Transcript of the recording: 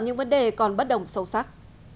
những vấn đề còn bất đồng sâu sắc